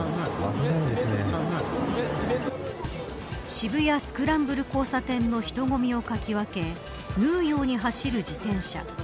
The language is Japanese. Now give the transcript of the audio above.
渋谷スクランブル交差点の人混みをかき分け縫うように走る自転車。